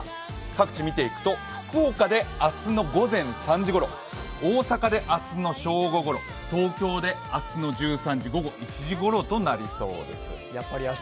各地見ていくと、福岡で明日の午前３時ごろ、大阪で明日の正午ごろ、東京で明日１３時、午後１時ごろとなりそうです。